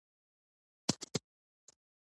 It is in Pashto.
دوی د بشري حقونو خبرې د پیسو لپاره کوي.